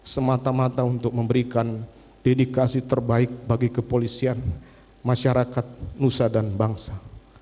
semata mata untuk memberikan dedikasi terbaik bagi kepolisian masyarakat nusa dan bangsa